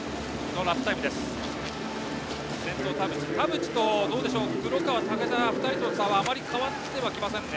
田渕と黒川、竹田の差はあまり変わってはきませんね。